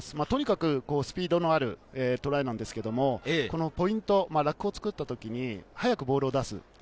とにかくスピードのあるトライなんですけれど、ポイント、ラックを作ったときに早くボールを出す。